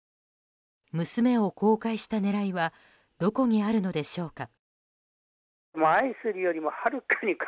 娘を公開した狙いはどこにあるのでしょうか。